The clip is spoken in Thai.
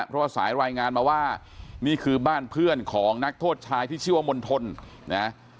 เพราะว่าสายรายงานมาว่านี่คือบ้านเพื่อนของนักโทษชายที่ชื่อว่ามณฑลนะ